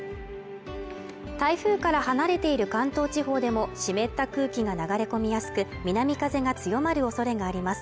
台風から離れている関東地方でも湿った空気が流れ込みやすく南風が強まるおそれがあります